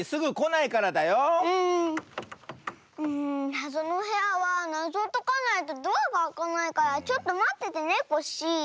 なぞのおへやはなぞをとかないとドアがあかないからちょっとまっててねコッシー。